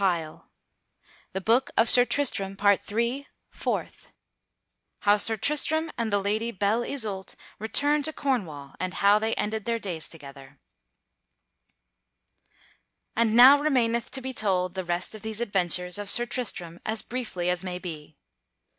[Illustration: King Mark broods mischief] Chapter Fourth How Sir Tristram and the Lady Belle Isoult returned to Cornwall and how they ended their days together. And now remaineth to be told the rest of these adventures of Sir Tristram as briefly as may be.